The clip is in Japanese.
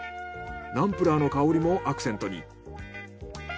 ナンプラーの香りもアクセントに。